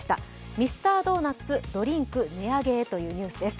ミスタードーナツ、ドリンク値上げへというニュースです。